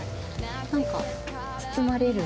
なんか包まれる。